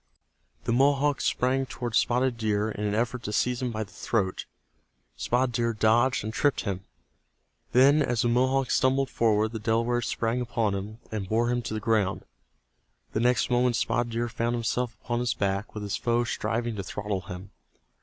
The Mohawk sprang toward Spotted Deer in an effort to seize him by the throat. Spotted Deer dodged and tripped him. Then as the Mohawk stumbled forward the Delaware sprang upon him, and bore him to the ground. The next moment Spotted Deer found himself upon his back with his foe striving to throttle him.